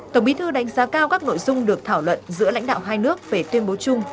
tổng bí thư đánh giá cao các nội dung được thảo luận giữa lãnh đạo hai nước về tuyên bố chung